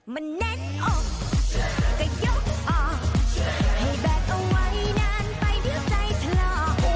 มันแน่นอกก็ยกออกให้แบกเอาไว้นานไปเดี๋ยวใจถลอก